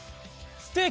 ステーキ。